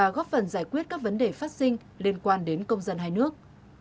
cần giải quyết các vấn đề phát sinh liên quan đến công dân hai nước